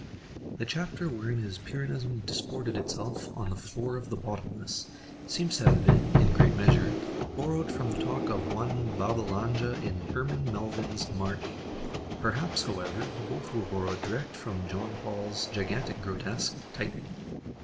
The chapter wherein his Pyrrhonism disported itself "on the floor of the bottomless" seems to have been, in great measure, borrowed from the talk of one Babbalanja in Herman Melville's "Mardi;" perhaps, however, both were borrowed direct from Jean Paul's gigantic grotesque, "Titan."